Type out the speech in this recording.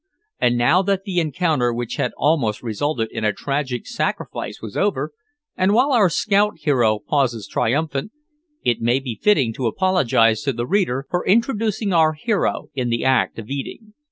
And now that the encounter which had almost resulted in a tragic sacrifice was over, and while our scout hero pauses triumphant, it may be fitting to apologize to the reader for introducing our hero in the act of eating.